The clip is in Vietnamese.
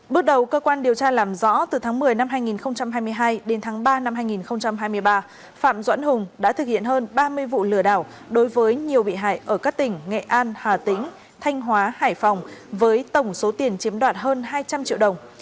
bước đầu cơ quan điều tra làm rõ từ tháng một mươi năm hai nghìn hai mươi hai đến tháng ba năm hai nghìn hai mươi ba phạm doãn hùng đã thực hiện hơn ba mươi vụ lừa đảo đối với nhiều bị hại ở các tỉnh nghệ an hà tĩnh thanh hóa hải phòng với tổng số tiền chiếm đoạt hơn hai trăm linh triệu đồng